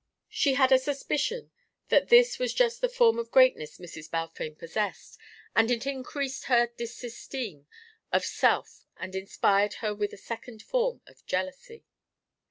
She had a suspicion that this was just the form of greatness Mrs. Balfame possessed, and it increased her disesteem of self and inspired her with a second form of jealousy.